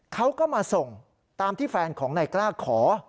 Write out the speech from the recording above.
เขาก็มาส่งตามที่แฟนของนายกล้าขอ